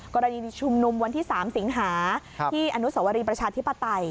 กรณีชุมนุมวันที่๓สิงหาที่อนุสวรีประชาธิปไตย